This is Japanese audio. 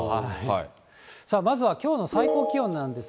まずはきょうの最高気温なんです。